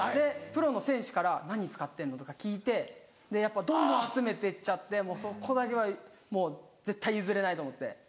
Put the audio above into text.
プロの選手から「何使ってんの？」とか聞いてやっぱどんどん集めてっちゃってそこだけはもう絶対譲れないと思って。